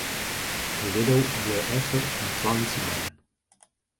De widdo bleau efter mei twa lytse bern.